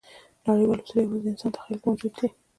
نړیوال اصول یواځې د انسان تخیل کې موجود دي.